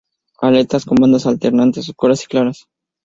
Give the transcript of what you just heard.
Aletas con bandas alternantes oscuras y claras.